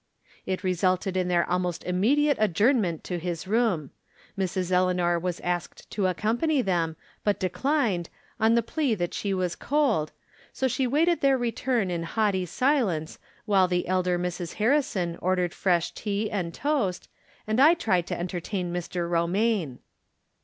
It resulted in their almost immediate adjourn ment to his room. Mrs. Eleanor was asked to accompany them, but declined, on the plea that 142 From Different Standpoints. she was cold, so she waited theix return in haughty silence, while the elder Mrs. Harrison ordered fresh tea and toast, and I tried to enter tain Mr. Romaine.